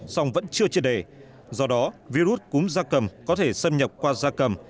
song vẫn chưa chưa đề do đó virus cúm gia cầm có thể xâm nhập qua gia cầm